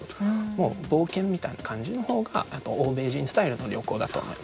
もう冒険みたいな感じの方が欧米人スタイルの旅行だと思います。